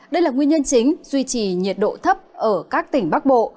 đây là nguyên nhân chính duy trì nhiệt độ thấp ở các tỉnh bắc bộ